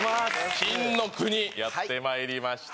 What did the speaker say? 金の国やってまいりました